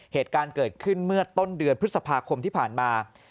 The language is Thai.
เหตุการณ์เกิดขึ้นเมื่อต้นเดือนพฤษภาคมที่ผ่านมา